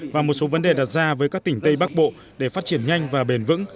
và một số vấn đề đặt ra với các tỉnh tây bắc bộ để phát triển nhanh và bền vững